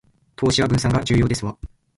投資は分散が重要ですわ